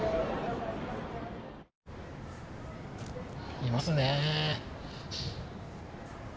いますね。